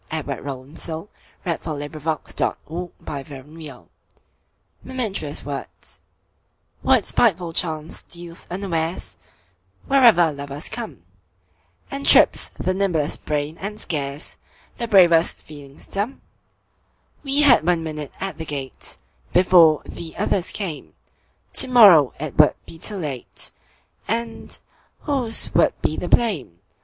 Edward Rowland Sill 1841–1887 Edward Rowland Sill 209 Momentous Words WHAT spiteful chance steals unawaresWherever lovers come, And trips the nimblest brain and scaresThe bravest feelings dumb? We had one minute at the gate, Before the others came; To morrow it would be too late, And whose would be the blame!